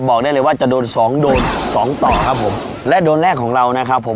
บอกได้เลยว่าจะโดนสองโดนสองต่อครับผมและโดนแรกของเรานะครับผม